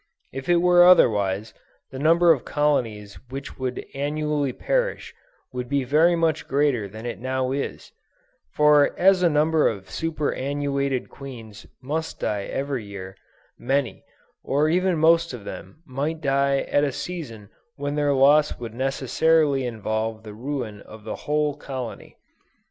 If it were otherwise, the number of colonies which would annually perish, would be very much greater than it now is; for as a number of superannuated queens must die every year, many, or even most of them might die at a season when their loss would necessarily involve the ruin of their whole colony.